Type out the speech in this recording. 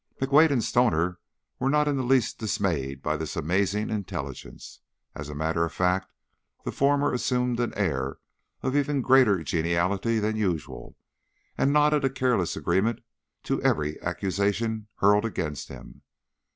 McWade and Stoner were not in the least dismayed by this amazing intelligence; as a matter of fact, the former assumed an air of even greater geniality than usual and nodded a careless agreement to every accusation hurled against him.